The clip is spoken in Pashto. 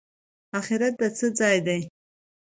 اخرت د څه ځای دی؟